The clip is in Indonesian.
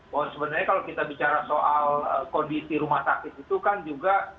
bahwa sebenarnya kalau kita bicara soal kondisi rumah sakit itu kan juga